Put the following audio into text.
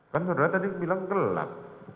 kan saudara tadi bilang gelap